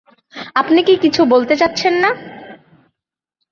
আপনি কি কিছু বলতে চাচ্ছেন না?